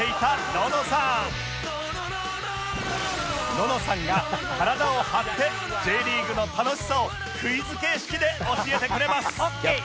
ののさんが体を張って Ｊ リーグの楽しさをクイズ形式で教えてくれます